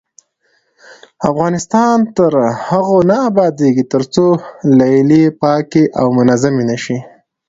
افغانستان تر هغو نه ابادیږي، ترڅو لیلیې پاکې او منظمې نشي.